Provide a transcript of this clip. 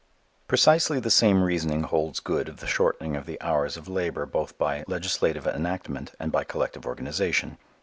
Precisely the same reasoning holds good of the shortening of the hours of labor both by legislative enactment and by collective organization.